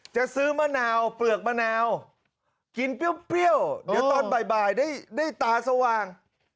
จะซื้อมะนาวเปลือกมะนาวกินเปรี้ยวเดี๋ยวตอนบ่ายได้ตาสว่าง